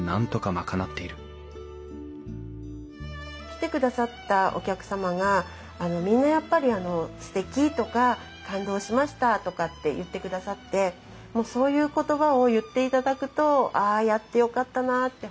来てくださったお客様がみんなやっぱりすてきとか感動しましたとかって言ってくださってそういう言葉を言っていただくとああやってよかったなって